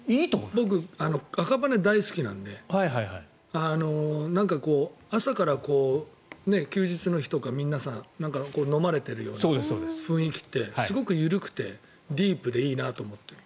僕、赤羽大好きなんで朝から休日の日とか皆さん飲まれているような雰囲気ってすごく緩くてディープでいいなと思っている。